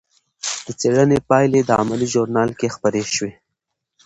د څېړنې پایلې د علمي ژورنال کې خپرې شوې.